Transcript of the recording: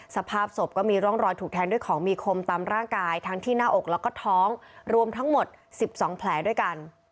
สภาพศพก็มีร่องรอยถูกแทงด้วยของมีคมตามร่างกายทั้งที่หน้าอกแล้วก็ท้องรวมทั้งหมด๑๒แผลด้วยกัน